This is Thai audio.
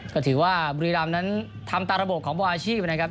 ก็ถือว่าบุรีรำนั้นทำตามระบบของบอลอาชีพนะครับ